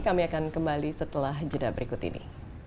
kami akan kembali setelah jeda berikut ini